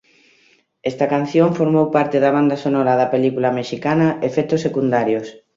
Esta canción formou parte da banda sonora da película mexicana "Efectos secundarios".